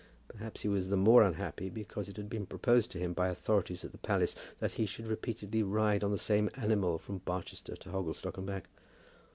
Perhaps he was the more unhappy because it had been proposed to him by authorities at the palace that he should repeatedly ride on the same animal from Barchester to Hogglestock and back.